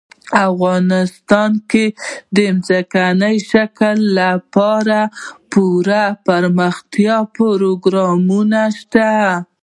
افغانستان کې د ځمکني شکل لپاره پوره دپرمختیا پروګرامونه شته دي.